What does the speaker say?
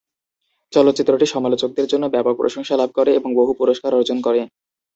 চলচ্চিত্রটি সমালোচকদের থেকে ব্যপক প্রশংসা লাভ করে এবং বহু পুরস্কার অর্জন করে।